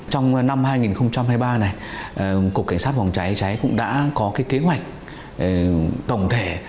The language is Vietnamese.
trong năm hai nghìn hai mươi ba này cục cảnh sát phòng cháy cháy cũng đã có cái kế hoạch tổng thể